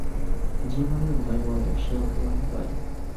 যে মানের ভয়ে মরে, সে অপমানই পায়।